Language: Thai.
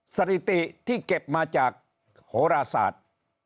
สถิติที่เก็บมาจากโหราศาสตร์